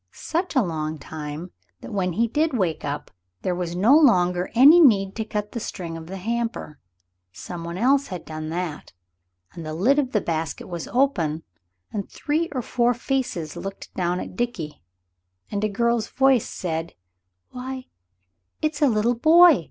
Such a long time that when he did wake up there was no longer any need to cut the string of the hamper. Some one else had done that, and the lid of the basket was open, and three or four faces looked down at Dickie, and a girl's voice said "Why, it's a little boy!